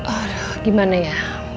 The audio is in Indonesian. aduh gimana ya